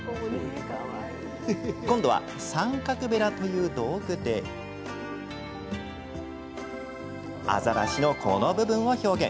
今度は三角べらという道具でアザラシの、この部分を表現。